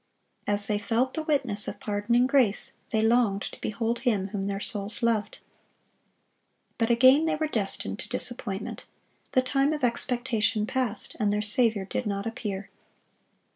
As they felt the witness of pardoning grace, they longed to behold Him whom their souls loved. But again they were destined to disappointment. The time of expectation passed, and their Saviour did not appear.